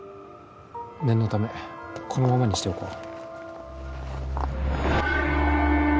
念のためこのままにしておこう